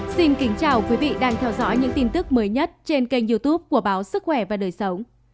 xin kính chào quý vị đang theo dõi những tin tức mới nhất trên kênh youtube của báo sức khỏe và đời sống